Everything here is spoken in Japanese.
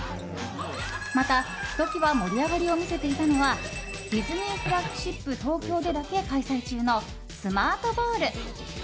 また、ひときわ盛り上がりを見せていたのはディズニーフラッグシップ東京でだけ開催中のスマートボール。